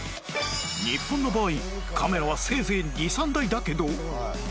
日本の場合カメラはせいぜい２３台だけど